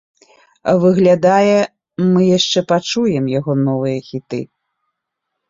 Выглядае, мы яшчэ пачуем яго новыя хіты.